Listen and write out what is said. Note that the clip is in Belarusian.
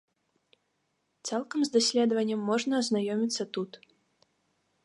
Цалкам з даследаваннем можна азнаёміцца тут.